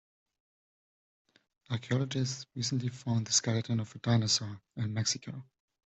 Archaeologists recently found the skeleton of a dinosaur in Mexico.